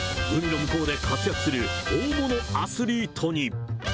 海の向こうで活躍する大物アスリートに。